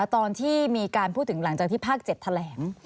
ตอนที่มีการพูดถึงหลังจากที่ภาค๗แถลง